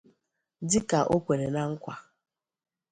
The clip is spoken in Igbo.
Dịka o kwere na nkwà